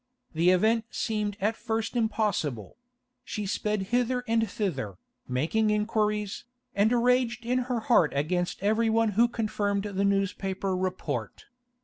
The event seemed at first impossible; she sped hither and thither, making inquiries, and raged in her heart against everyone who confirmed the newspaper report.